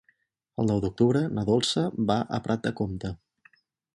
El nou d'octubre na Dolça va a Prat de Comte.